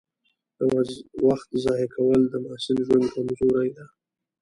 د وخت ضایع کول د محصل ژوند کمزوري ده.